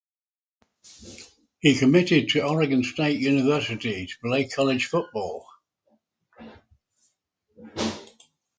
He committed to Oregon State University to play college football.